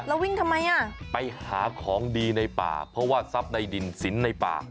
แล้ววิ่งทำไมอ่ะไปหาของดีในป่าเพราะว่าทรัพย์ในดินสินในป่า